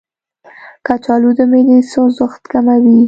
کچالو د معدې سوخت کموي.